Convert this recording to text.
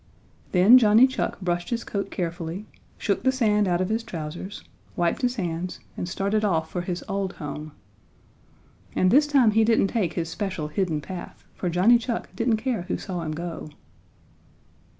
Then Johnny Chuck brushed his coat carefully, shook the sand out of his trousers, wiped his hands and started off for his old home. And this time he didn't take his special hidden path, for Johnny Chuck didn't care who saw him go.